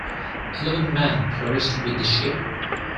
Eleven men perished with the ship.